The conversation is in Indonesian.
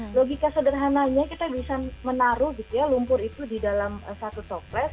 logika sederhananya kita bisa menaruh gitu ya lumpur itu di dalam satu toplet